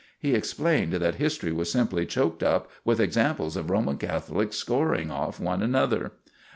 He explained that history was simply choked up with examples of Roman Catholics scoring off one another.